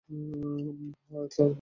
হ্যাঁ, আর তার দাঁতও!